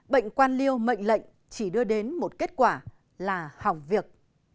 bệnh quan liêu mệnh lệnh chỉ đưa đến một kết quả là hỏng việc